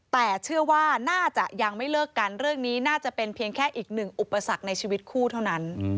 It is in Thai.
แต่เชื่อว่าน่าจะยังไม่เลิกกันเรื่องนี้น่าจะเป็นเพียงแค่อีกหนึ่งอุปสรรคในชีวิตคู่เท่านั้น